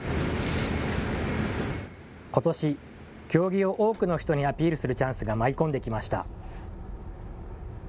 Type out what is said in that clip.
ことし、経木を多くの人にアピールするチャンスが舞い込んできました。